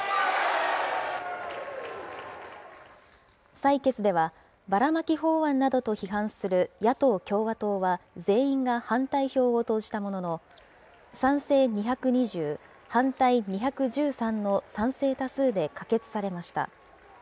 採決ではバラマキ法案などと批判する野党・共和党は全員が反対票を投じたものの、賛成２２０、反対２１３の賛成多数で可決されました。